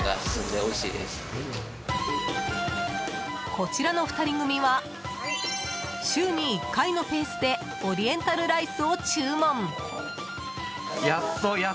こちらの２人組は週に１回のペースでオリエンタルライスを注文。